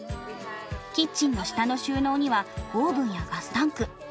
キッチンの下の収納にはオーブンやガスタンク。